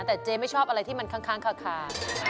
แต่เจ๊ไม่ชอบอะไรที่มันค้างคา